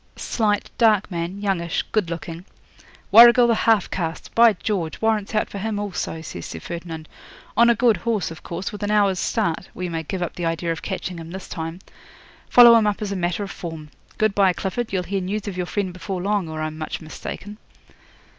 '"Slight, dark man, youngish, good looking." '"Warrigal the half caste! By George! warrants out for him also," says Sir Ferdinand. "On a good horse, of course, with an hour's start. We may give up the idea of catching him this time. Follow him up as a matter of form. Good bye, Clifford. You'll hear news of your friend before long, or I'm much mistaken."